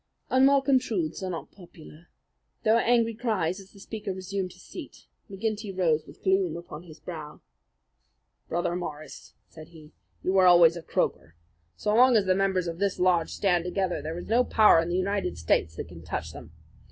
Unwelcome truths are not popular. There were angry cries as the speaker resumed his seat. McGinty rose with gloom upon his brow. "Brother Morris," said he, "you were always a croaker. So long as the members of this lodge stand together there is no power in the United States that can touch them.